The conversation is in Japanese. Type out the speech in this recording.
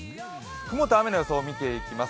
雲と雨の予想、見ていきます。